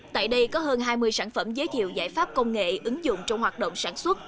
tại đây có hơn hai mươi sản phẩm giới thiệu giải pháp công nghệ ứng dụng trong hoạt động sản xuất